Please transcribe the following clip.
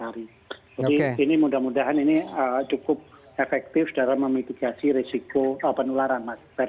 jadi ini mudah mudahan ini cukup efektif dalam memitigasi risiko penularan mas heri